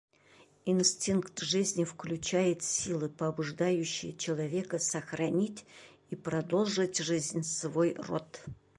Инстинкт жизни включает силы, побуждающие человека сохранить и продолжить жизнь, свой род.